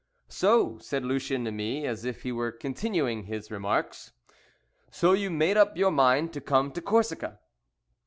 "So," said Lucien to me, as if he were continuing his remarks, "so you made up your mind to come to Corsica?"